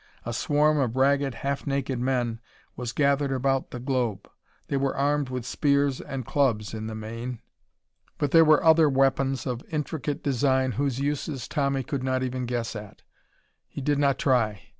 A swarm of ragged, half naked men was gathered about the globe. They were armed with spears and clubs, in the main, but there were other weapons of intricate design whose uses Tommy could not even guess at. He did not try.